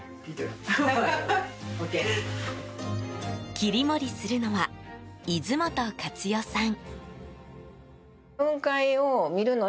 切り盛りするのは泉本勝代さん。